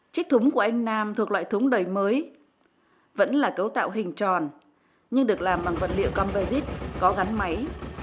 trích thúng của anh nam thuộc loại thúng đầy mới vẫn là cấu tạo hình tròn nhưng được làm bằng vật liệu compezit có gắn máy